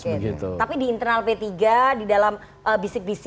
tapi di internal p tiga di dalam bisik bisik